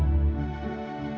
belum ingin salvation